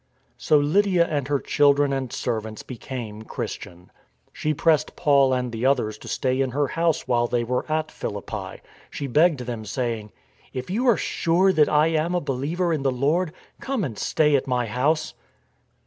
So Lydia and her children and servants became Christian. She pressed Paul and the others to stay in her house while they were at Philippi. She begged them, saying: " H you are sure that I am a believer in the Lord, come and stay at my house."